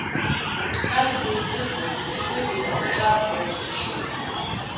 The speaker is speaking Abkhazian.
Уԥсадгьыл ӡыӡоит, иқьуеит, умахәҿа ӷәӷәа иазыԥшуп.